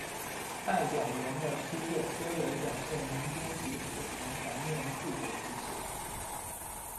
戴表元的诗作多有表现民间疾苦和怀念故国之情。